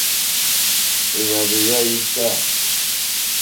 Èhvàrzù ya ita.